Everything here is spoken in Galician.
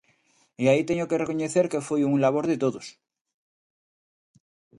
E aí teño que recoñecer que foi un labor de todos.